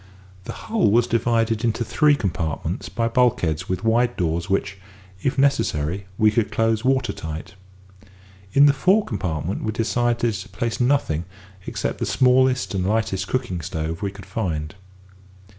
The hull was divided into three compartments by bulkheads with wide doors which, if necessary, we could close water tight. In the fore compartment we decided to place nothing except the smallest and lightest cooking stove we could find.